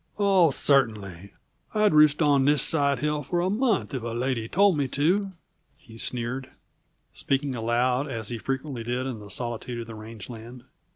"Oh, certainly! I'd roost on this side hill for a month, if a lady told me to," he sneered, speaking aloud as he frequently did in the solitude of the range land.